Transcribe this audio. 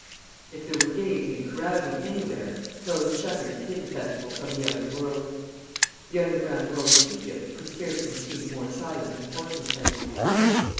If there were gaiety and carousing anywhere, closed shutters hid the festival from the outer world. The underground world of Egypt could scarcely have seemed more silent than Portland place.